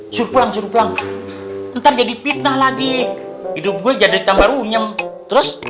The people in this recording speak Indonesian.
suruh pulang suruh pulang ntar jadi fitnah lagi hidup gue jadi tambah runyam terus